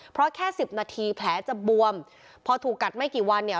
เพราะแค่สิบนาทีแผลจะบวมพอถูกกัดไม่กี่วันเนี่ย